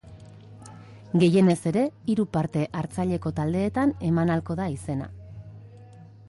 Gehienez ere hiru parte hartzaileko taldeetan eman ahalko da izena.